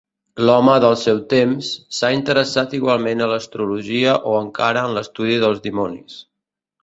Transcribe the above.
L'Home del seu temps, s'ha interessat igualment a l'astrologia o encara en l'estudi dels dimonis.